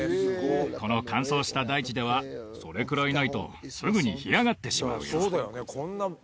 この乾燥した大地ではそれくらいないとすぐに干上がってしまうよ